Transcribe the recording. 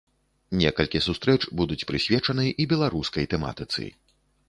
Некалькі сустрэч будуць прысвечаны і беларускай тэматыцы.